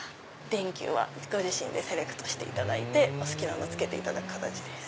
電球はご自身でセレクトしていただいてお好きなのを付けていただく形です。